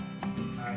はい。